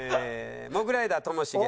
モグライダーともしげ。